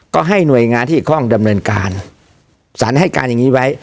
ก็ให้หน่วยงานที่เกี่ยวข้องดำเนินการสารให้การอย่างนี้ไว้